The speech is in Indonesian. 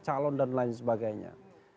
calon dan lain sebagainya